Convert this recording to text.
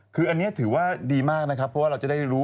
คืออันนี้ถือว่าดีมากนะครับเพราะว่าเราจะได้รู้